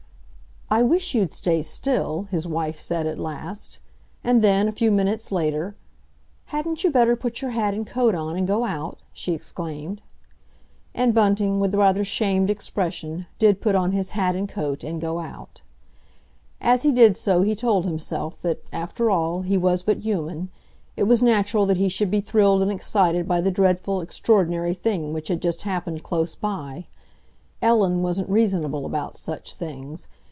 "I wish you'd stay still," his wife said at last. And then, a few minutes later, "Hadn't you better put your hat and coat on and go out?" she exclaimed. And Bunting, with a rather shamed expression, did put on his hat and coat and go out. As he did so he told himself that, after all, he was but human; it was natural that he should be thrilled and excited by the dreadful, extraordinary thing which had just happened close by. Ellen wasn't reasonable about such things.